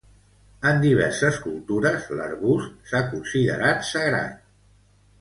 En diverses cultures l'arbust s'ha considerat sagrat.